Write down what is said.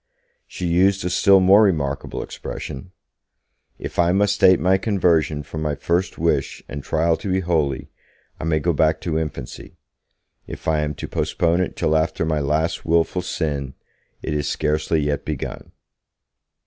She used a still more remarkable expression: 'If I must date my conversion from my first wish and trial to be holy, I may go back to infancy; if I am to postpone it till after my last wilful sin, it is scarcely yet begun.'